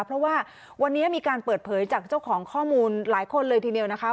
เพราะว่าวันนี้มีการเปิดเผยจากเจ้าของข้อมูลหลายคนเลยทีเดียวนะคะ